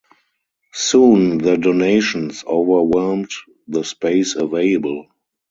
Soon the donations overwhelmed the space available.